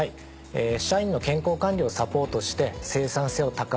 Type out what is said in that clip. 社員の健康管理をサポートして生産性を高める。